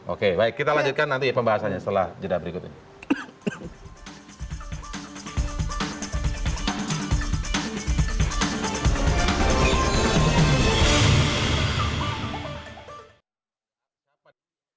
oke baik kita lanjutkan nanti pembahasannya setelah jeda berikutnya